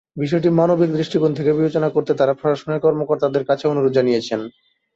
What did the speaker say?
বিষয়টি মানবিক দৃষ্টিকোণ থেকে বিবেচনা করতে তাঁরা প্রশাসনের কর্মকর্তাদের কাছে অনুরোধ জানিয়েছেন।